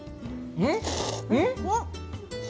うん？